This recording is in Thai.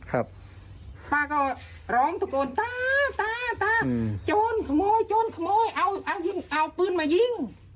เขาว่าหื้อมายิง